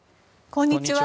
こんにちは。